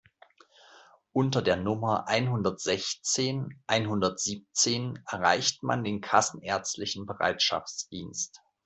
Unter der Nummer einhundertsechzehn einhundertsiebzehn erreicht man den kassenärztlichen Bereitschaftsdienst.